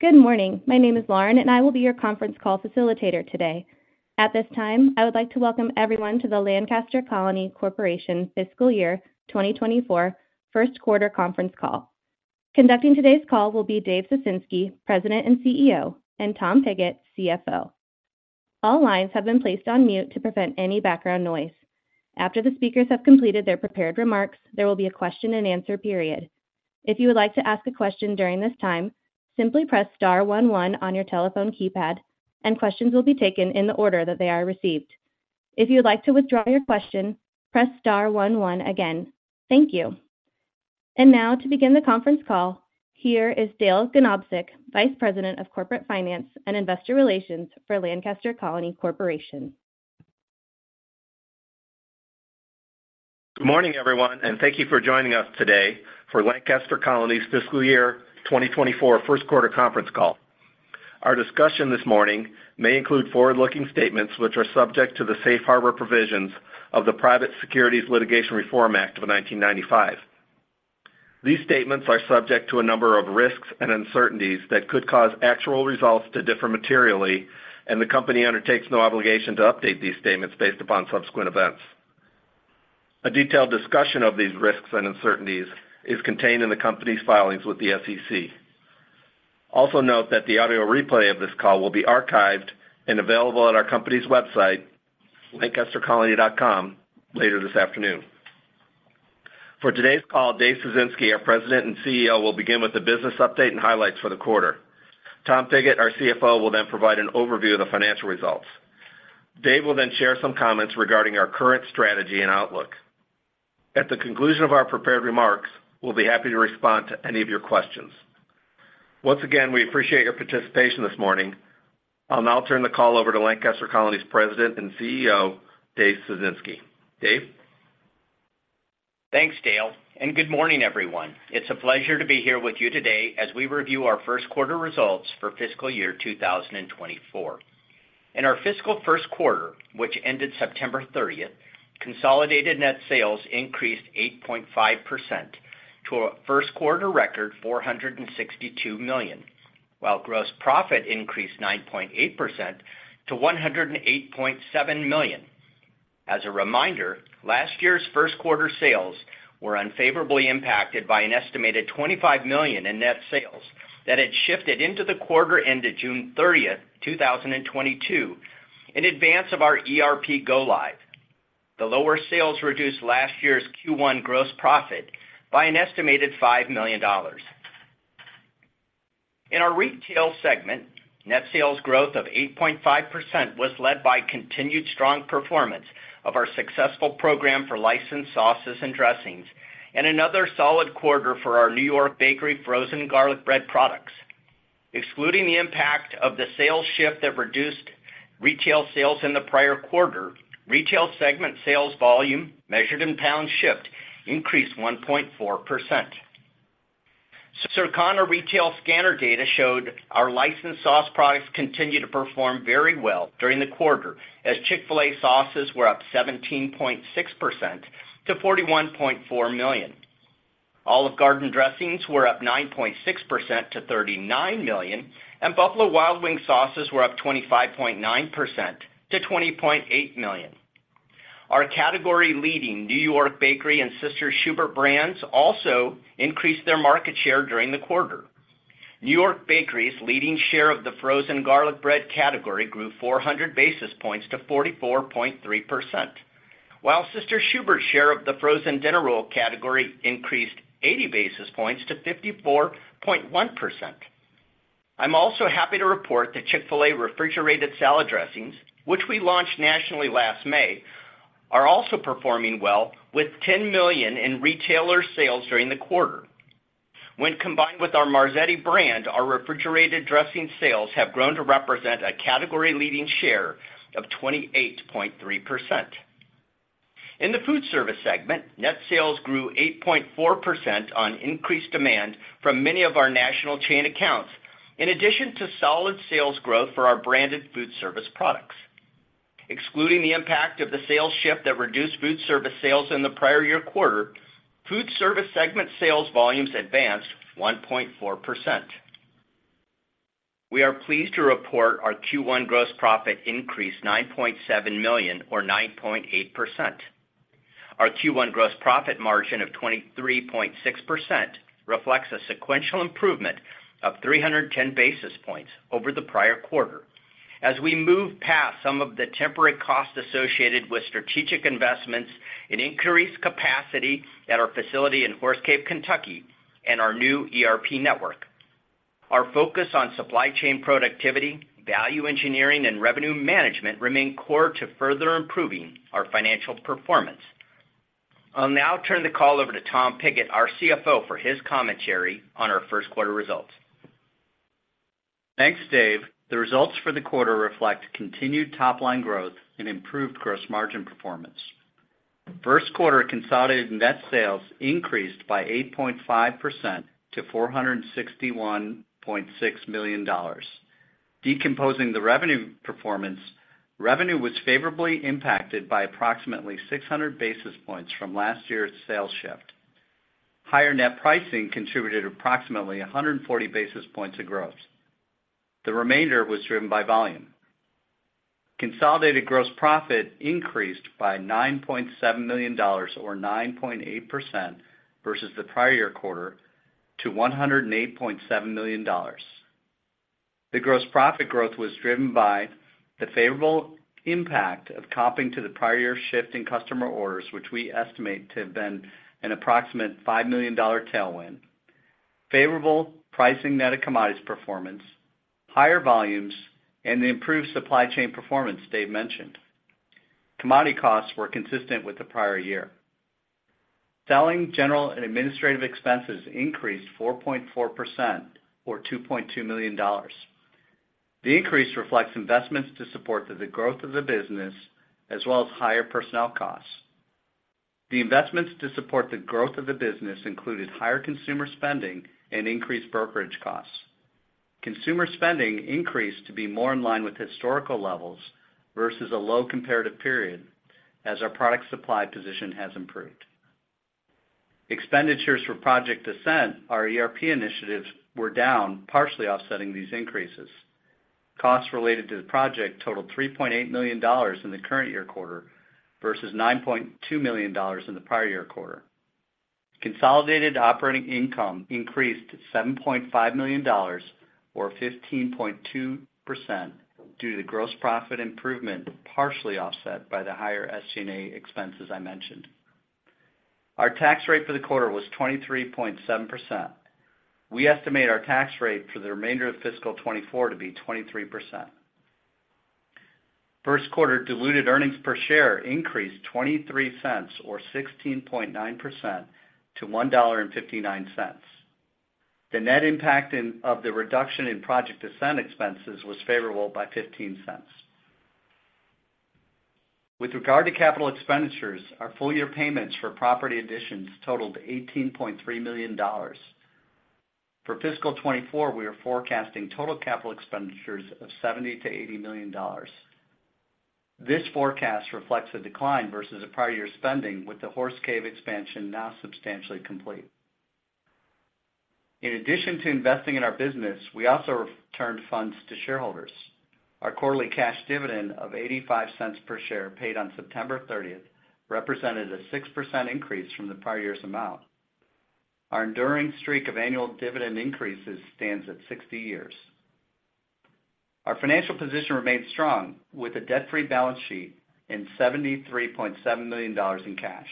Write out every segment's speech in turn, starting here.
Good morning. My name is Lauren, and I will be your conference call facilitator today. At this time, I would like to welcome everyone to the Lancaster Colony Corporation Fiscal Year 2024 First Quarter Conference Call. Conducting today's call will be Dave Ciesinski, President and CEO, and Tom Pigott, CFO. All lines have been placed on mute to prevent any background noise. After the speakers have completed their prepared remarks, there will be a question-and-answer period. If you would like to ask a question during this time, simply press star one one on your telephone keypad, and questions will be taken in the order that they are received. If you would like to withdraw your question, press star one one again. Thank you. And now, to begin the conference call, here is Dale Ganobsik, Vice President of Corporate Finance and Investor Relations for Lancaster Colony Corporation. Good morning, everyone, and thank you for joining us today for Lancaster Colony's Fiscal Year 2024 First Quarter Conference Call. Our discussion this morning may include forward-looking statements, which are subject to the Safe Harbor provisions of the Private Securities Litigation Reform Act of 1995. These statements are subject to a number of risks and uncertainties that could cause actual results to differ materially, and the Company undertakes no obligation to update these statements based upon subsequent events. A detailed discussion of these risks and uncertainties is contained in the company's filings with the SEC. Also, note that the audio replay of this call will be archived and available on our company's website, lancastercolony.com, later this afternoon. For today's call, Dave Ciesinski, our President and CEO, will begin with a business update and highlights for the quarter. Tom Pigott, our CFO, will then provide an overview of the financial results. Dave will then share some comments regarding our current strategy and outlook. At the conclusion of our prepared remarks, we'll be happy to respond to any of your questions. Once again, we appreciate your participation this morning. I'll now turn the call over to Lancaster Colony's President and CEO, Dave Ciesinski. Dave? Thanks, Dale, and good morning, everyone. It's a pleasure to be here with you today as we review our first quarter results for fiscal year 2024. In our fiscal first quarter, which ended September 30th, consolidated net sales increased 8.5% to a first quarter record, $462 million, while gross profit increased 9.8% to $108.7 million. As a reminder, last year's first quarter sales were unfavorably impacted by an estimated $25 million in net sales that had shifted into the quarter ended June 30th, 2022, in advance of our ERP go live. The lower sales reduced last year's Q1 gross profit by an estimated $5 million. In our retail segment, net sales growth of 8.5% was led by continued strong performance of our successful program for licensed sauces and dressings, and another solid quarter for our New York Bakery frozen garlic bread products. Excluding the impact of the sales shift that reduced retail sales in the prior quarter, retail segment sales volume, measured in pounds shipped, increased 1.4%. Circana retail scanner data showed our licensed sauce products continued to perform very well during the quarter, as Chick-fil-A sauces were up 17.6% to $41.4 million. Olive Garden dressings were up 9.6% to $39 million, and Buffalo Wild Wings sauces were up 25.9% to $20.8 million. Our category-leading New York Bakery and Sister Schubert's brands also increased their market share during the quarter. New York Bakery's leading share of the frozen garlic bread category grew 400 basis points to 44.3%, while Sister Schubert's share of the frozen dinner roll category increased 80 basis points to 54.1%. I'm also happy to report that Chick-fil-A refrigerated salad dressings, which we launched nationally last May, are also performing well, with $10 million in retailer sales during the quarter. When combined with our Marzetti brand, our refrigerated dressing sales have grown to represent a category-leading share of 28.3%. In the food service segment, net sales grew 8.4% on increased demand from many of our national chain accounts, in addition to solid sales growth for our branded food service products. Excluding the impact of the sales shift that reduced food service sales in the prior year quarter, food service segment sales volumes advanced 1.4%. We are pleased to report our Q1 gross profit increased $9.7 million or 9.8%. Our Q1 gross profit margin of 23.6% reflects a sequential improvement of 310 basis points over the prior quarter as we move past some of the temporary costs associated with strategic investments in increased capacity at our facility in Horse Cave, Kentucky, and our new ERP network. Our focus on supply chain productivity, value engineering, and revenue management remain core to further improving our financial performance. I'll now turn the call over to Tom Pigott, our CFO, for his commentary on our first quarter results. Thanks, Dave. The results for the quarter reflect continued top-line growth and improved gross margin performance. First quarter consolidated net sales increased by 8.5% to $461.6 million.... Decomposing the revenue performance, revenue was favorably impacted by approximately 600 basis points from last year's sales shift. Higher net pricing contributed approximately 140 basis points of growth. The remainder was driven by volume. Consolidated gross profit increased by $9.7 million, or 9.8%, versus the prior year quarter, to $108.7 million. The gross profit growth was driven by the favorable impact of comping to the prior year shift in customer orders, which we estimate to have been an approximate $5 million tailwind, favorable pricing net of commodities performance, higher volumes, and the improved supply chain performance Dave mentioned. Commodity costs were consistent with the prior year. Selling general and administrative expenses increased 4.4%, or $2.2 million. The increase reflects investments to support the growth of the business, as well as higher personnel costs. The investments to support the growth of the business included higher consumer spending and increased brokerage costs. Consumer spending increased to be more in line with historical levels versus a low comparative period, as our product supply position has improved. Expenditures for Project Ascent, our ERP initiatives, were down, partially offsetting these increases. Costs related to the project totaled $3.8 million in the current year quarter versus $9.2 million in the prior year quarter. Consolidated operating income increased to $7.5 million, or 15.2%, due to the gross profit improvement, partially offset by the higher SG&A expenses I mentioned. Our tax rate for the quarter was 23.7%. We estimate our tax rate for the remainder of fiscal 2024 to be 23%. First quarter diluted earnings per share increased $0.23, or 16.9%, to $1.59. The net impact of the reduction in Project Ascent expenses was favorable by $0.15. With regard to capital expenditures, our full-year payments for property additions totaled $18.3 million. For fiscal 2024, we are forecasting total capital expenditures of $70-$80 million. This forecast reflects a decline versus the prior year spending, with the Horse Cave expansion now substantially complete. In addition to investing in our business, we also returned funds to shareholders. Our quarterly cash dividend of $0.85 per share, paid on September 30th, represented a 6% increase from the prior year's amount. Our enduring streak of annual dividend increases stands at 60 years. Our financial position remains strong, with a debt-free balance sheet and $73.7 million in cash.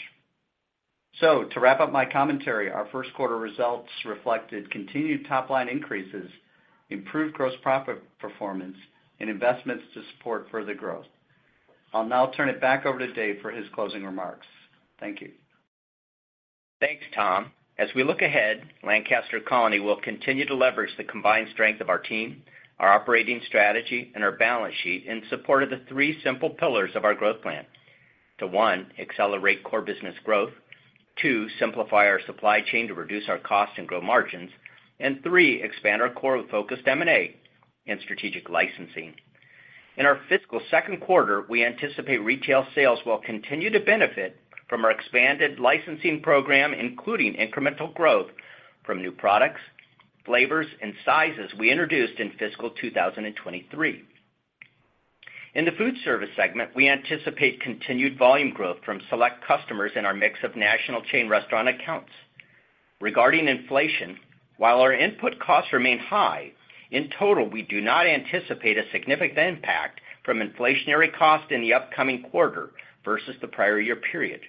So to wrap up my commentary, our first quarter results reflected continued top-line increases, improved gross profit performance, and investments to support further growth. I'll now turn it back over to Dave for his closing remarks. Thank you. Thanks, Tom. As we look ahead, Lancaster Colony will continue to leverage the combined strength of our team, our operating strategy, and our balance sheet in support of the three simple pillars of our growth plan. To, one, accelerate core business growth, two, simplify our supply chain to reduce our costs and grow margins, and three, expand our core with focused M&A and strategic licensing. In our fiscal second quarter, we anticipate retail sales will continue to benefit from our expanded licensing program, including incremental growth from new products, flavors, and sizes we introduced in fiscal 2023. In the food service segment, we anticipate continued volume growth from select customers in our mix of national chain restaurant accounts. Regarding inflation, while our input costs remain high, in total, we do not anticipate a significant impact from inflationary costs in the upcoming quarter versus the prior year period.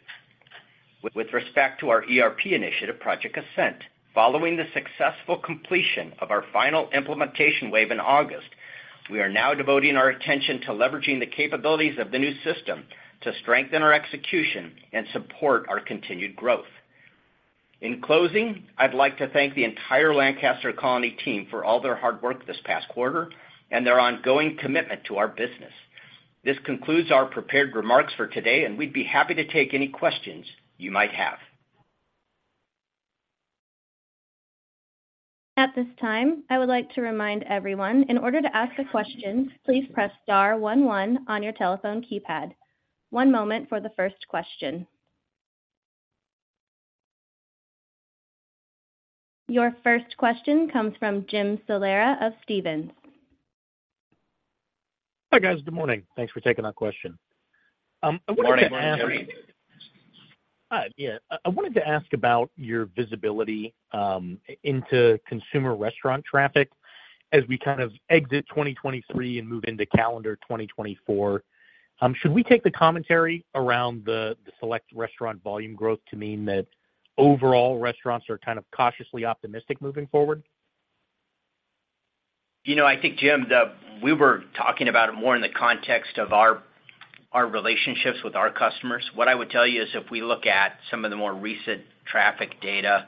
With respect to our ERP initiative, Project Ascent, following the successful completion of our final implementation wave in August, we are now devoting our attention to leveraging the capabilities of the new system to strengthen our execution and support our continued growth. In closing, I'd like to thank the entire Lancaster Colony team for all their hard work this past quarter and their ongoing commitment to our business. This concludes our prepared remarks for today, and we'd be happy to take any questions you might have. At this time, I would like to remind everyone, in order to ask a question, please press star one, one on your telephone keypad. One moment for the first question. Your first question comes from Jim Salera of Stephens. Hi, guys. Good morning. Thanks for taking our question. I wanted to- Good morning, Jim. Yeah, I wanted to ask about your visibility into consumer restaurant traffic as we kind of exit 2023 and move into calendar 2024. Should we take the commentary around the select restaurant volume growth to mean that overall restaurants are kind of cautiously optimistic moving forward? You know, I think, Jim, the, we were talking about it more in the context of our, our relationships with our customers. What I would tell you is, if we look at some of the more recent traffic data,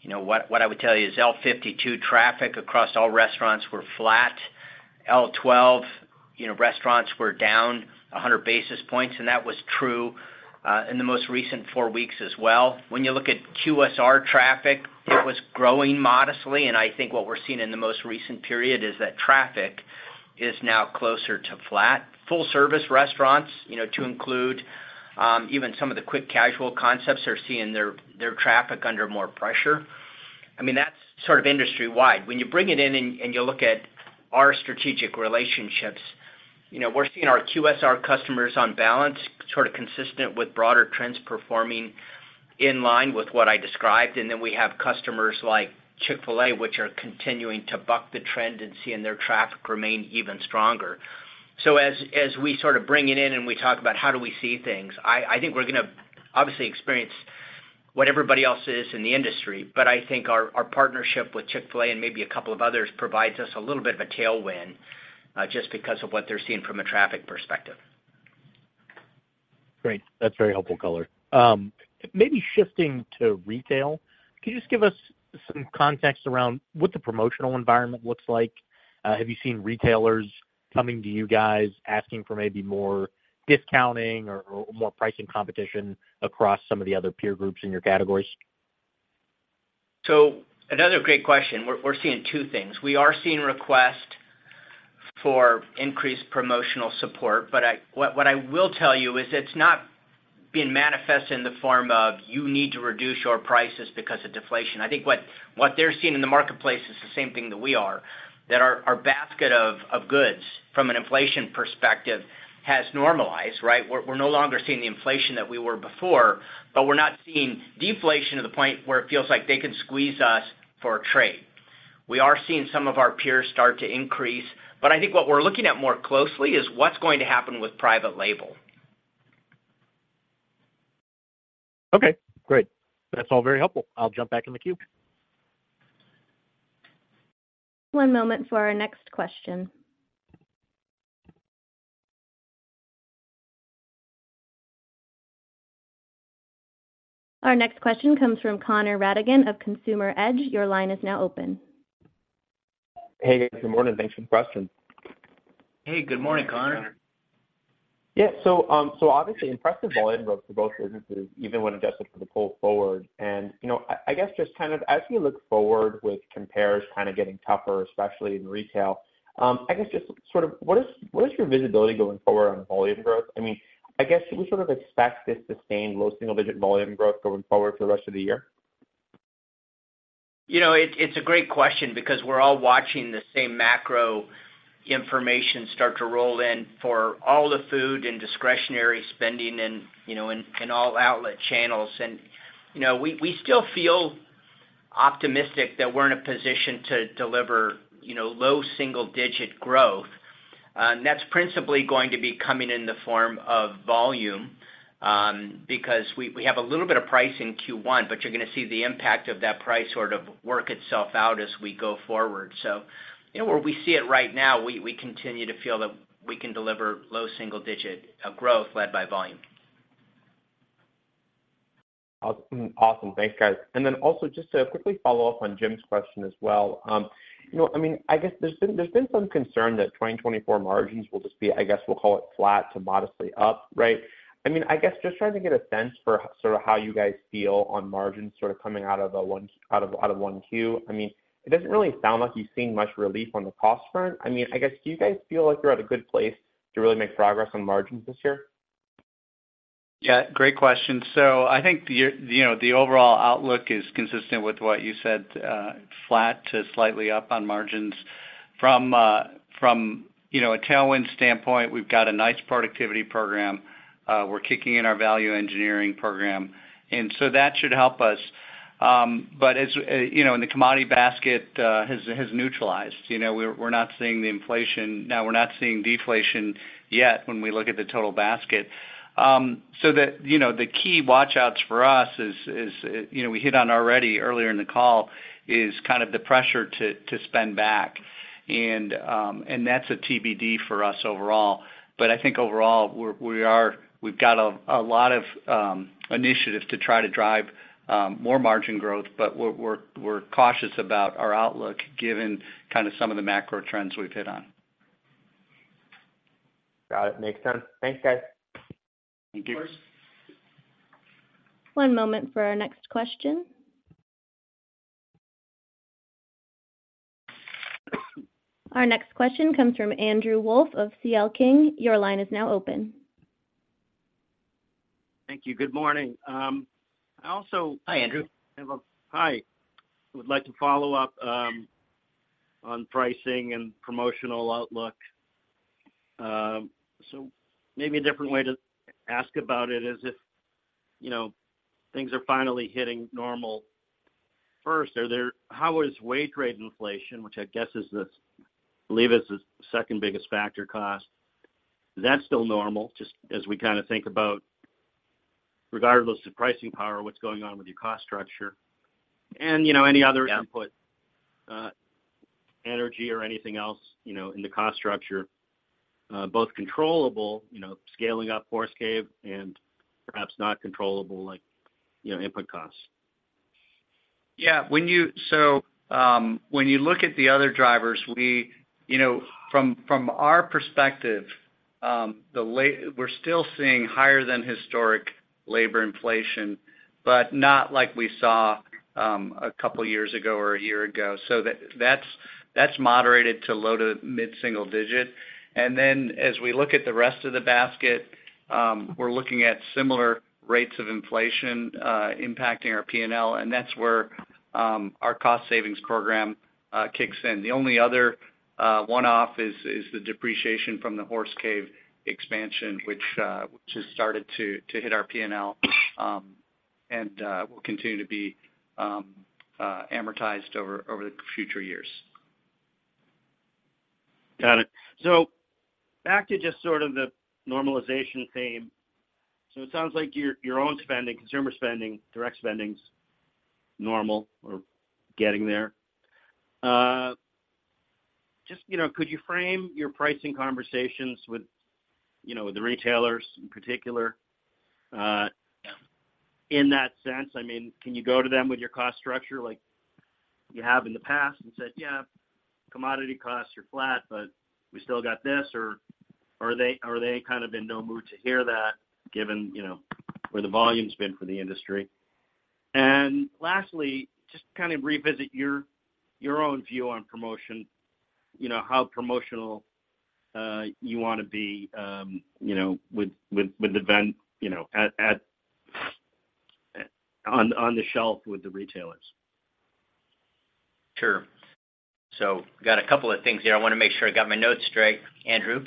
you know, what, what I would tell you is L52 traffic across all restaurants were flat. L12... you know, restaurants were down 100 basis points, and that was true, in the most recent four weeks as well. When you look at QSR traffic, it was growing modestly, and I think what we're seeing in the most recent period is that traffic is now closer to flat. Full service restaurants, you know, to include, even some of the quick casual concepts, are seeing their, their traffic under more pressure. I mean, that's sort of industry-wide. When you bring it in and you look at our strategic relationships, you know, we're seeing our QSR customers on balance, sort of consistent with broader trends, performing in line with what I described. And then we have customers like Chick-fil-A, which are continuing to buck the trend and seeing their traffic remain even stronger. So as we sort of bring it in and we talk about how do we see things, I think we're gonna obviously experience what everybody else is in the industry. But I think our partnership with Chick-fil-A, and maybe a couple of others, provides us a little bit of a tailwind, just because of what they're seeing from a traffic perspective. Great. That's very helpful color. Maybe shifting to retail, can you just give us some context around what the promotional environment looks like? Have you seen retailers coming to you guys asking for maybe more discounting or, or more pricing competition across some of the other peer groups in your categories? So another great question. We're seeing two things. We are seeing requests for increased promotional support, but what I will tell you is it's not been manifested in the form of, "You need to reduce your prices because of deflation." I think what they're seeing in the marketplace is the same thing that we are, that our basket of goods, from an inflation perspective, has normalized, right? We're no longer seeing the inflation that we were before, but we're not seeing deflation to the point where it feels like they can squeeze us for a trade. We are seeing some of our peers start to increase, but I think what we're looking at more closely is what's going to happen with private label. Okay, great. That's all very helpful. I'll jump back in the queue. One moment for our next question. Our next question comes from Connor Rattigan of Consumer Edge. Your line is now open. Hey, good morning. Thanks for the question. Hey, good morning, Connor. Yeah. So, so obviously impressive volume growth for both businesses, even when adjusted for the pull forward. And, you know, I, I guess, just kind of as you look forward with compares kind of getting tougher, especially in retail, I guess just sort of what is, what is your visibility going forward on volume growth? I mean, I guess, should we sort of expect this sustained low single digit volume growth going forward for the rest of the year? You know, it's a great question because we're all watching the same macro information start to roll in for all the food and discretionary spending and, you know, in all outlet channels. You know, we still feel optimistic that we're in a position to deliver, you know, low single digit growth. And that's principally going to be coming in the form of volume, because we have a little bit of price in Q1, but you're gonna see the impact of that price sort of work itself out as we go forward. So, you know, where we see it right now, we continue to feel that we can deliver low single digit growth led by volume. Awesome. Thanks, guys. And then also just to quickly follow up on Jim's question as well. You know, I mean, I guess there's been some concern that 2024 margins will just be I guess we'll call it flat to modestly up, right? I mean, I guess just trying to get a sense for sort of how you guys feel on margins sort of coming out of 1Q. I mean, it doesn't really sound like you've seen much relief on the cost front. I mean, I guess, do you guys feel like you're at a good place to really make progress on margins this year? Yeah, great question. So I think the year—you know, the overall outlook is consistent with what you said, flat to slightly up on margins. From you know, a tailwind standpoint, we've got a nice productivity program, we're kicking in our value engineering program, and so that should help us. But as, you know, and the commodity basket, has neutralized. You know, we're not seeing the inflation... Now, we're not seeing deflation yet when we look at the total basket. So the, you know, the key watch outs for us is, you know, we hit on already earlier in the call, is kind of the pressure to spend back. And, and that's a TBD for us overall. I think overall, we've got a lot of initiatives to try to drive more margin growth, but we're cautious about our outlook, given kind of some of the macro trends we've hit on. Got it. Makes sense. Thanks, guys. Thank you. Of course. One moment for our next question. Our next question comes from Andrew Wolf of C.L. King. Your line is now open. Thank you. Good morning. I also- Hi, Andrew. Hi. I would like to follow up on pricing and promotional outlook. So maybe a different way to ask about it is if, you know, things are finally hitting normal. First, how is wage rate inflation, which I guess is the, I believe, is the second biggest factor cost, is that still normal? Just as we kinda think about regardless of pricing power, what's going on with your cost structure and, you know, any other input, energy or anything else, you know, in the cost structure, both controllable, you know, scaling up Horse Cave and perhaps not controllable, like, you know, input costs?... Yeah, so when you look at the other drivers, we, you know, from our perspective, we're still seeing higher than historic labor inflation, but not like we saw a couple years ago or a year ago. So that's moderated to low to mid-single digit. And then as we look at the rest of the basket, we're looking at similar rates of inflation impacting our P&L, and that's where our cost savings program kicks in. The only other one-off is the depreciation from the Horse Cave expansion, which just started to hit our P&L, and will continue to be amortized over the future years. Got it. So back to just sort of the normalization theme. So it sounds like your own spending, consumer spending, direct spending's normal or getting there. Just, you know, could you frame your pricing conversations with, you know, the retailers in particular, in that sense? I mean, can you go to them with your cost structure like you have in the past and said, "Yeah, commodity costs are flat, but we still got this," or are they kind of in no mood to hear that, given, you know, where the volume's been for the industry? And lastly, just kind of revisit your own view on promotion. You know, how promotional you wanna be, you know, with, you know, at, on the shelf with the retailers? Sure. Got a couple of things there. I wanna make sure I got my notes straight, Andrew.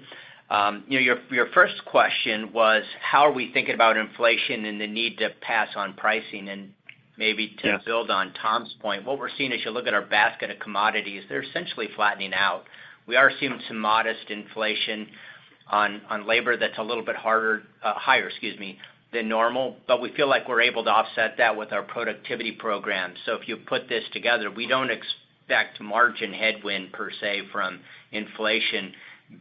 You know, your first question was, how are we thinking about inflation and the need to pass on pricing? And maybe- Yeah... to build on Tom's point, what we're seeing as you look at our basket of commodities, they're essentially flattening out. We are seeing some modest inflation on labor that's a little bit higher, excuse me, than normal, but we feel like we're able to offset that with our productivity program. So if you put this together, we don't expect margin headwind per se, from inflation,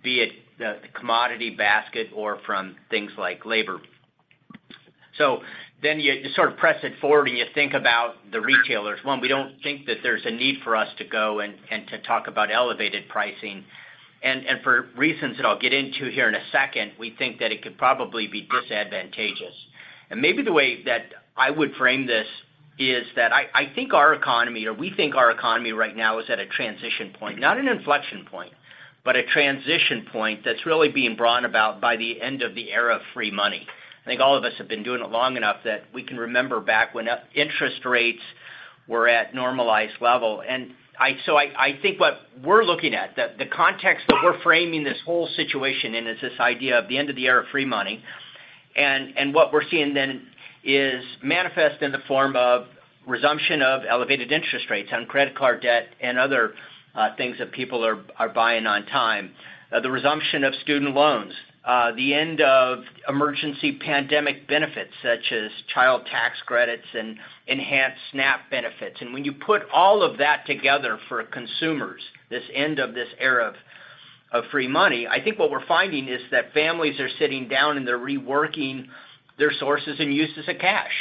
be it the commodity basket or from things like labor. So then you sort of press it forward, and you think about the retailers. One, we don't think that there's a need for us to go and to talk about elevated pricing. And for reasons that I'll get into here in a second, we think that it could probably be disadvantageous. Maybe the way that I would frame this is that I think our economy, or we think our economy right now is at a transition point, not an inflection point, but a transition point that's really being brought about by the end of the era of free money. I think all of us have been doing it long enough that we can remember back when interest rates were at normalized level. So I think what we're looking at, the context that we're framing this whole situation in, is this idea of the end of the era of free money. And what we're seeing then is manifest in the form of resumption of elevated interest rates on credit card debt and other things that people are buying on time. The resumption of student loans, the end of emergency pandemic benefits such as child tax credits and enhanced SNAP benefits. When you put all of that together for consumers, this end of this era of free money, I think what we're finding is that families are sitting down, and they're reworking their sources and uses of cash,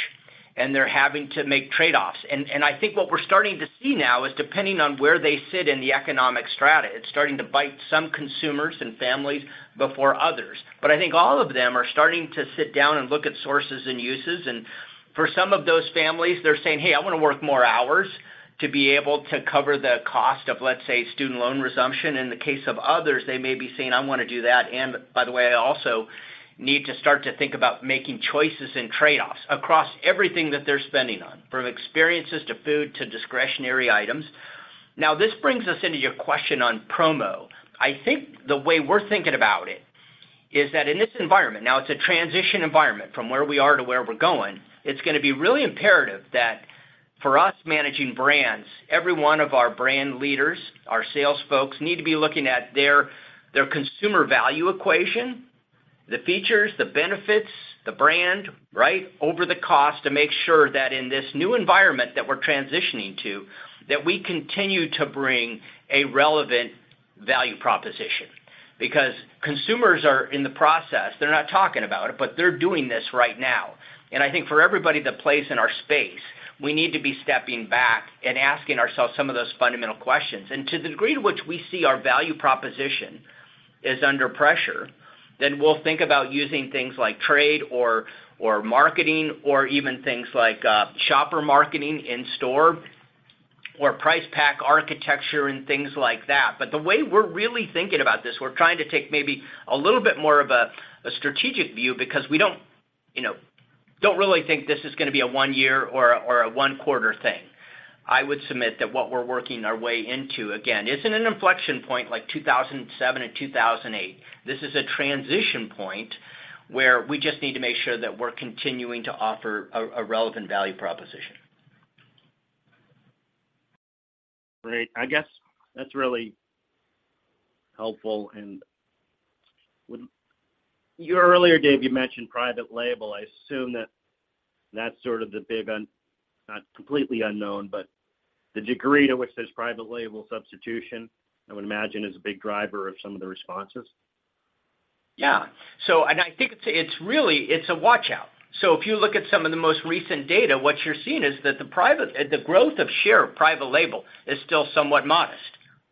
and they're having to make trade-offs. And I think what we're starting to see now is depending on where they sit in the economic strata, it's starting to bite some consumers and families before others. But I think all of them are starting to sit down and look at sources and uses. For some of those families, they're saying, "Hey, I wanna work more hours to be able to cover the cost of, let's say, student loan resumption." In the case of others, they may be saying, "I wanna do that, and by the way, I also need to start to think about making choices and trade-offs," across everything that they're spending on, from experiences to food to discretionary items. Now, this brings us into your question on promo. I think the way we're thinking about it is that in this environment, now it's a transition environment from where we are to where we're going, it's gonna be really imperative that for us, managing brands, every one of our brand leaders, our sales folks, need to be looking at their, their consumer value equation, the features, the benefits, the brand, right, over the cost to make sure that in this new environment that we're transitioning to, that we continue to bring a relevant value proposition. Because consumers are in the process. They're not talking about it, but they're doing this right now. And I think for everybody that plays in our space, we need to be stepping back and asking ourselves some of those fundamental questions. And to the degree to which we see our value proposition is under pressure, then we'll think about using things like trade or, or marketing, or even things like, shopper marketing in store, or price pack architecture and things like that. But the way we're really thinking about this, we're trying to take maybe a little bit more of a strategic view because we don't, you know, don't really think this is gonna be a one year or a one quarter thing. I would submit that what we're working our way into, again, isn't an inflection point like 2007 and 2008. This is a transition point, where we just need to make sure that we're continuing to offer a relevant value proposition. Great. I guess that's really helpful. And would... You earlier, Dave, you mentioned private label. I assume that that's sort of the big unknown, not completely unknown, but the degree to which there's private label substitution, I would imagine, is a big driver of some of the responses?... Yeah. I think it's really a watch out. So if you look at some of the most recent data, what you're seeing is that the growth of share of private label is still somewhat modest,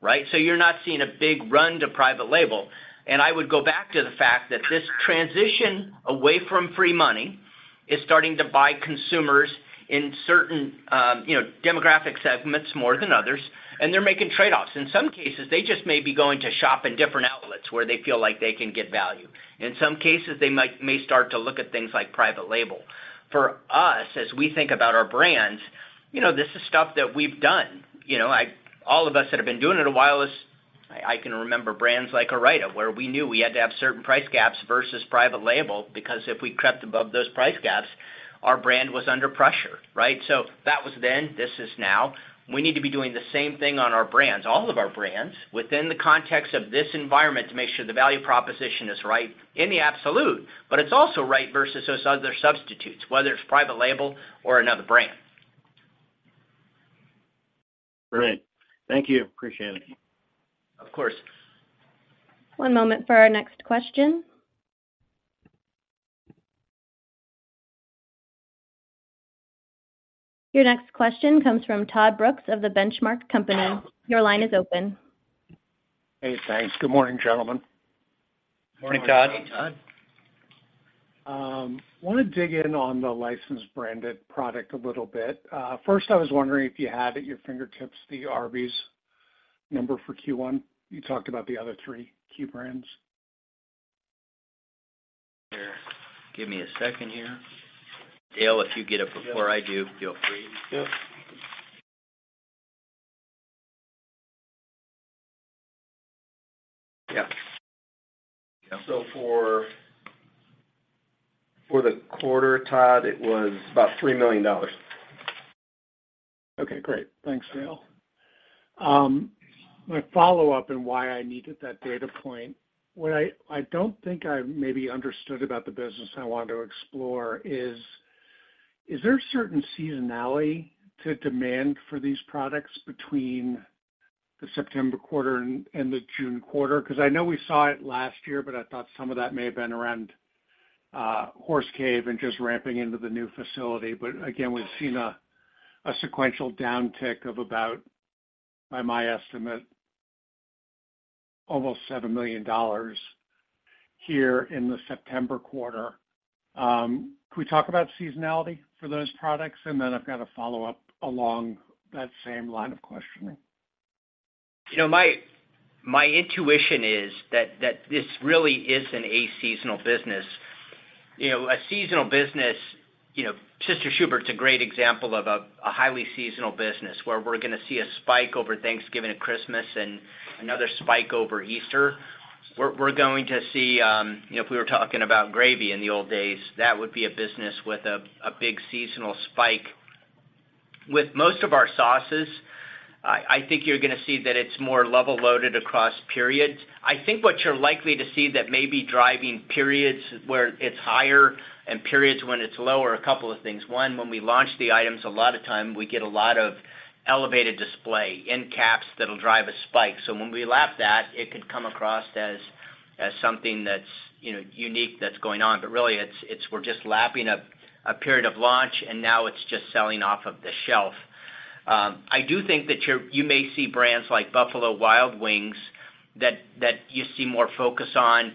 right? So you're not seeing a big run to private label. And I would go back to the fact that this transition away from free money is starting to bite consumers in certain, you know, demographic segments more than others, and they're making trade-offs. In some cases, they just may be going to shop in different outlets where they feel like they can get value. In some cases, they may start to look at things like private label. For us, as we think about our brands, you know, this is stuff that we've done. You know, I—all of us that have been doing it a while, is I, I can remember brands like Ore-Ida, where we knew we had to have certain price gaps versus private label, because if we crept above those price gaps, our brand was under pressure, right? So that was then, this is now. We need to be doing the same thing on our brands, all of our brands, within the context of this environment, to make sure the value proposition is right in the absolute, but it's also right versus those other substitutes, whether it's private label or another brand. Great. Thank you. Appreciate it. Of course. One moment for our next question. Your next question comes from Todd Brooks of The Benchmark Company. Your line is open. Hey, thanks. Good morning, gentlemen. Morning, Todd. Morning, Todd. Wanna dig in on the licensed branded product a little bit. First, I was wondering if you had at your fingertips the Arby's number for Q1. You talked about the other three key brands. Give me a second here. Dale, if you get it before I do, feel free. Yep. Yeah. So for the quarter, Todd, it was about $3 million. Okay, great. Thanks, Dale. My follow-up and why I needed that data point, what I don't think I maybe understood about the business I wanted to explore is: is there a certain seasonality to demand for these products between the September quarter and the June quarter? Because I know we saw it last year, but I thought some of that may have been around Horse Cave and just ramping into the new facility. But again, we've seen a sequential downtick of about, by my estimate, almost $7 million here in the September quarter. Can we talk about seasonality for those products? And then I've got a follow-up along that same line of questioning. You know, my intuition is that this really is an aseasonal business. You know, a seasonal business, you know, Sister Schubert's a great example of a highly seasonal business, where we're gonna see a spike over Thanksgiving and Christmas and another spike over Easter. We're going to see, you know, if we were talking about gravy in the old days, that would be a business with a big seasonal spike. With most of our sauces, I think you're gonna see that it's more level loaded across periods. I think what you're likely to see that may be driving periods where it's higher and periods when it's lower, a couple of things. One, when we launch the items, a lot of time, we get a lot of elevated display in caps that'll drive a spike. So when we lap that, it could come across as something that's, you know, unique, that's going on. But really, it's we're just lapping a period of launch, and now it's just selling off of the shelf. I do think that you're—you may see brands like Buffalo Wild Wings, that you see more focus on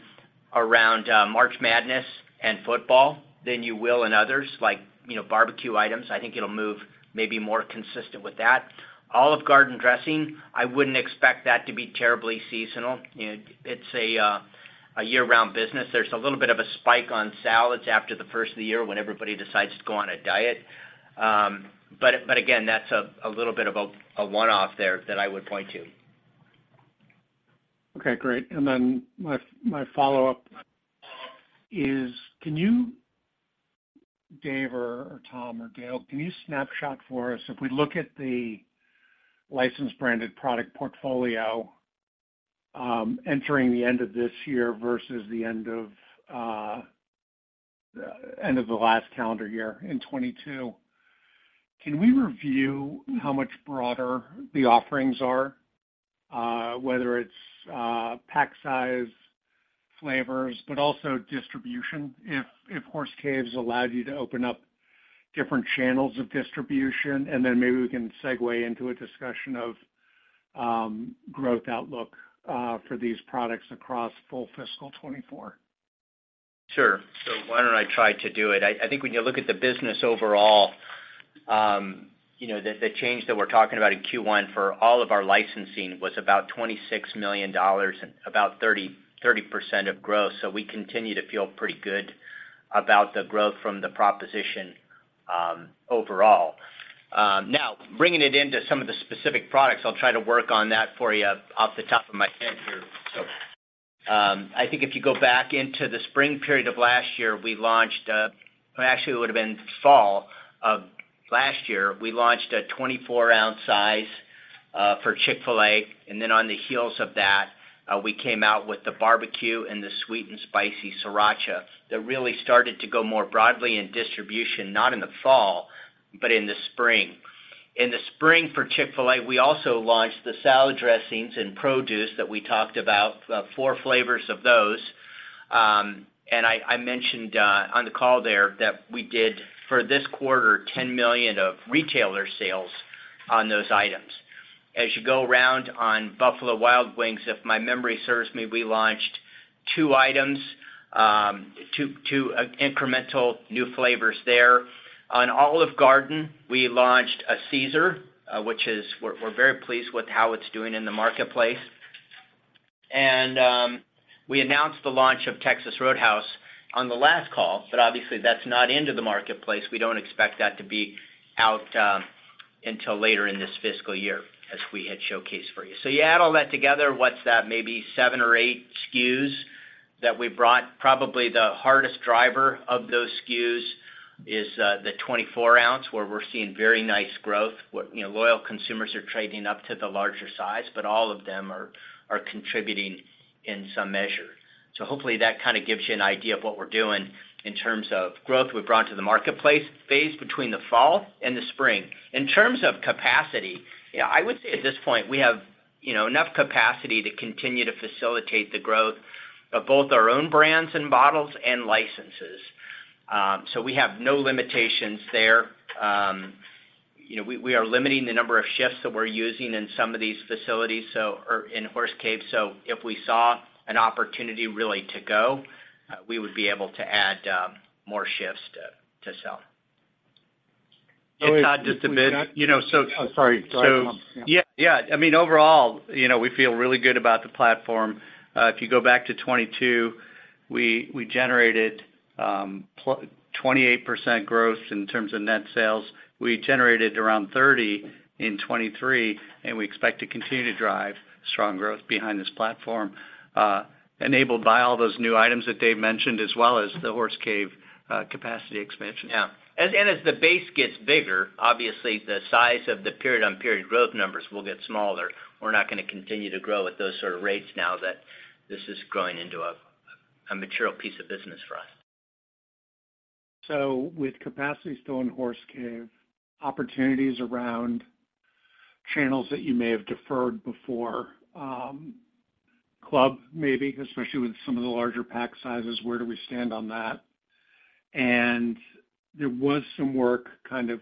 around March Madness and football than you will in others, like, you know, barbecue items. I think it'll move maybe more consistent with that. Olive Garden dressing, I wouldn't expect that to be terribly seasonal. You know, it's a year-round business. There's a little bit of a spike on salads after the first of the year when everybody decides to go on a diet. But again, that's a little bit of a one-off there that I would point to. Okay, great. And then my follow-up is, can you, Dave or Tom or Dale, snapshot for us, if we look at the licensed branded product portfolio entering the end of this year versus the end of the last calendar year in 2022, can we review how much broader the offerings are? Whether it's pack size, flavors, but also distribution, if Horse Cave allowed you to open up different channels of distribution, and then maybe we can segue into a discussion of growth outlook for these products across full fiscal 2024. Sure. So why don't I try to do it? I think when you look at the business overall, you know, the change that we're talking about in Q1 for all of our licensing was about $26 million, about 30, 30% of growth. So we continue to feel pretty good about the growth from the proposition, overall. Now, bringing it into some of the specific products, I'll try to work on that for you off the top of my head here. So, I think if you go back into the spring period of last year, we launched a, actually, it would have been fall of last year. We launched a 24-ounce size for Chick-fil-A, and then on the heels of that, we came out with the barbecue and the sweet and spicy Sriracha that really started to go more broadly in distribution, not in the fall, but in the spring. In the spring for Chick-fil-A, we also launched the salad dressings and produce that we talked about, four flavors of those. And I mentioned on the call there that we did, for this quarter, $10 million of retailer sales on those items. As you go around on Buffalo Wild Wings, if my memory serves me, we launched two items, two incremental new flavors there. On Olive Garden, we launched a Caesar, which is, we're very pleased with how it's doing in the marketplace. We announced the launch of Texas Roadhouse on the last call, but obviously, that's not into the marketplace. We don't expect that to be out until later in this fiscal year, as we had showcased for you. So you add all that together, what's that? Maybe seven or eight SKUs that we brought. Probably the hardest driver of those SKUs is the 24-ounce, where we're seeing very nice growth. You know, loyal consumers are trading up to the larger size, but all of them are contributing in some measure. So hopefully that kind of gives you an idea of what we're doing in terms of growth we brought to the marketplace phase between the fall and the spring. In terms of capacity, yeah, I would say at this point, we have, you know, enough capacity to continue to facilitate the growth of both our own brands and bottles and licenses. So we have no limitations there. You know, we are limiting the number of shifts that we're using in some of these facilities, so, or in Horse Cave. So if we saw an opportunity really to go, we would be able to add more shifts to sell. Todd, just a bit, you know, so- Oh, sorry. Go ahead, Tom. Yeah, yeah. I mean, overall, you know, we feel really good about the platform. If you go back to 2022, we generated 28% growth in terms of net sales. We generated around 30% in 2023, and we expect to continue to drive strong growth behind this platform, enabled by all those new items that Dave mentioned, as well as the Horse Cave capacity expansion. Yeah, as the base gets bigger, obviously, the size of the period-on-period growth numbers will get smaller. We're not gonna continue to grow at those sort of rates now that this is growing into a material piece of business for us. So with capacity still in Horse Cave, opportunities around channels that you may have deferred before, club, maybe, especially with some of the larger pack sizes, where do we stand on that? And there was some work kind of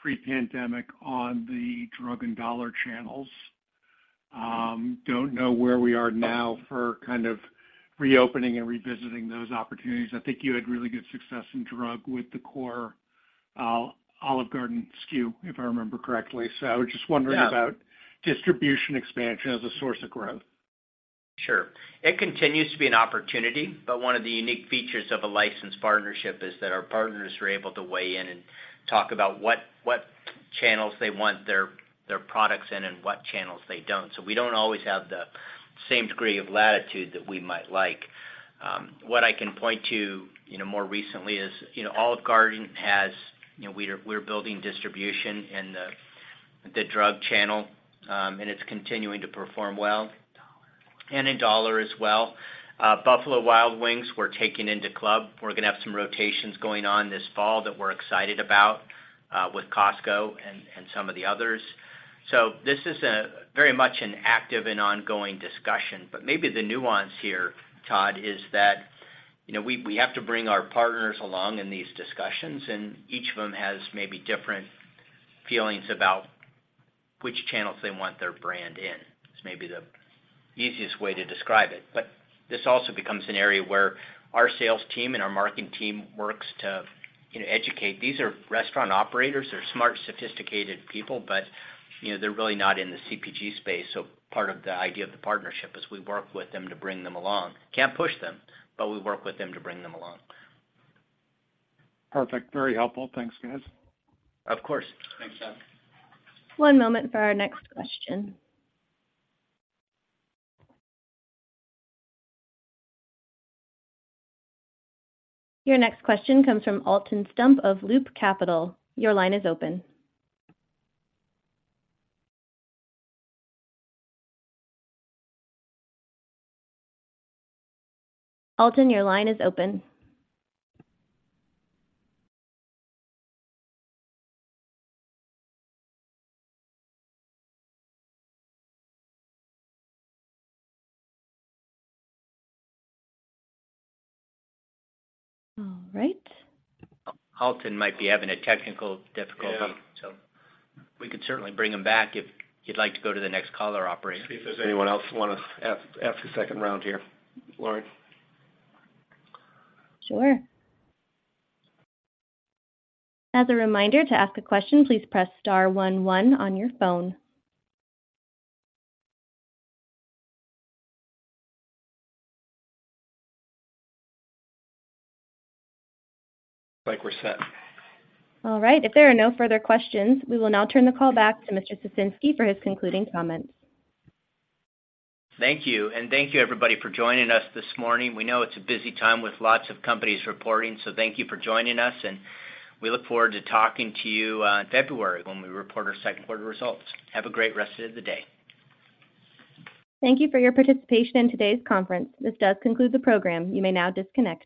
pre-pandemic on the drug and dollar channels. Don't know where we are now for kind of reopening and revisiting those opportunities. I think you had really good success in drug with the core, Olive Garden SKU, if I remember correctly. So I was just wondering about- Yeah... distribution expansion as a source of growth. Sure. It continues to be an opportunity, but one of the unique features of a licensed partnership is that our partners are able to weigh in and talk about what channels they want their products in and what channels they don't. So we don't always have the same degree of latitude that we might like. What I can point to, you know, more recently is, you know, Olive Garden has, you know, we're building distribution in the drug channel, and it's continuing to perform well. Dollar. In dollar as well. Buffalo Wild Wings, we're taking into club. We're gonna have some rotations going on this fall that we're excited about, with Costco and some of the others. So this is very much an active and ongoing discussion, but maybe the nuance here, Todd, is that, you know, we have to bring our partners along in these discussions, and each of them has maybe different feelings about which channels they want their brand in. It's maybe the easiest way to describe it. But this also becomes an area where our sales team and our marketing team works to, you know, educate. These are restaurant operators. They're smart, sophisticated people, but, you know, they're really not in the CPG space. So part of the idea of the partnership is we work with them to bring them along. Can't push them, but we work with them to bring them along. Perfect. Very helpful. Thanks, guys. Of course. Thanks, Todd. One moment for our next question. Your next question comes from Alton Stump of Loop Capital. Your line is open. Alton, your line is open. All right. Alton might be having a technical difficulty. Yeah. We could certainly bring him back if you'd like to go to the next caller, operator. See if there's anyone else who wanna ask, ask a second round here, Lauren. Sure. As a reminder, to ask a question, please press star one, one on your phone. Like we're set. All right. If there are no further questions, we will now turn the call back to Mr. Ciesinski for his concluding comments. Thank you, and thank you, everybody, for joining us this morning. We know it's a busy time with lots of companies reporting, so thank you for joining us, and we look forward to talking to you, in February, when we report our second quarter results. Have a great rest of the day. Thank you for your participation in today's conference. This does conclude the program. You may now disconnect.